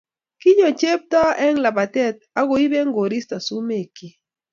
Kinyo chepto eng lapatet ak koipe koristo sumekchi